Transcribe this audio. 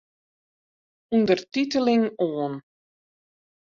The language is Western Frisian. Undertiteling oan.